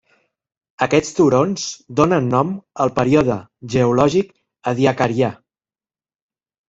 Aquests turons donen nom al període geològic Ediacarià.